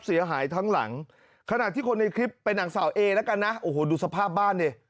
เสียหายทั้งหลังขณะที่คนในคลิปเป็นนางสาวเอแล้วกันนะโอ้โหดูสภาพบ้านดิ